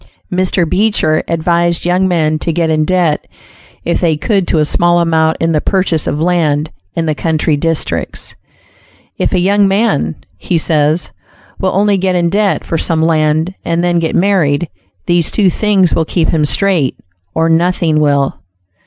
Mr. Beecher advised young men to get in debt if they could to a small amount in the purchase of land, in the country districts. "If a young man," he says, "will only get in debt for some land and then get married, these two things will keep him straight, or nothing will."